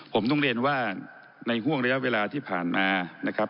ผมต้องเรียนว่าในห่วงระยะเวลาที่ผ่านมานะครับ